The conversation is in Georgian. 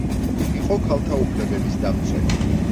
იყო ქალთა უფლებების დამცველი.